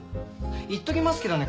言っときますけどね